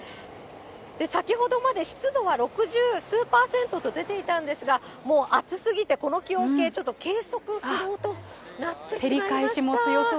先ほどまで湿度は六十数％と出ていたんですが、もう暑すぎて、この気温計、ちょっと計測不能となってしまいました。